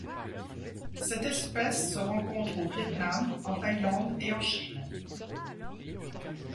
Cette espècese rencontre au Viêt Nam, en Thaïlande et en Chine.